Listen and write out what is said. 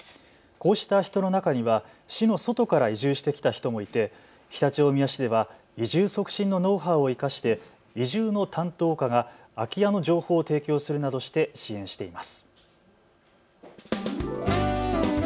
こうした人の中には市の外から移住してきた人もいて、常陸大宮市では移住促進のノウハウを生かして移住の担当課が空き家の情報を提供するなどして支援しています。